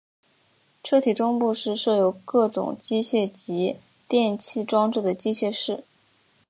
车体中部是设有各种机械及电气装置的机械室。